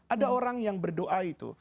ada orang yang berdoa itu